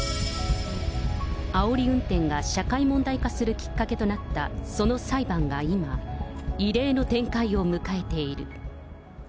あおり運転が社会問題化するきっかけとなったその裁判が今、異例の展開を迎えている。